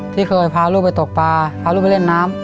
ที่เคยพาลูกไปตกปลาพาลูกไปเล่นน้ำ